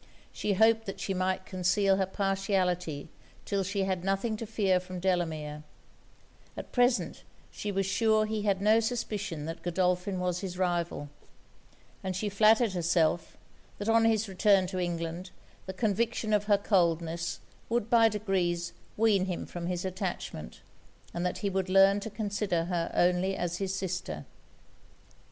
She hoped that she might conceal her partiality 'till she had nothing to fear from Delamere; at present she was sure he had no suspicion that Godolphin was his rival; and she flattered herself, that on his return to England, the conviction of her coldness would by degrees wean him from his attachment, and that he would learn to consider her only as his sister.